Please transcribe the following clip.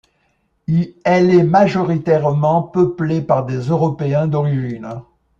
Elle est majoritairement peuplée par des Européens d'origine.